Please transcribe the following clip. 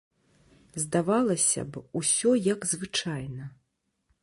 Здавалася б, усё як звычайна.